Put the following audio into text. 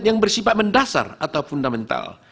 yang bersifat mendasar atau fundamental